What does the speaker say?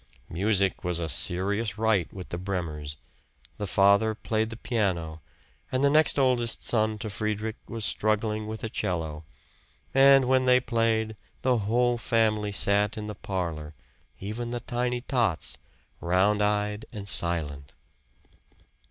Music was a serious rite with the Bremers. The father played the piano, and the next oldest son to Friedrich was struggling with a 'cello; and when they played, the whole family sat in the parlor, even the tiny tots, round eyed and silent.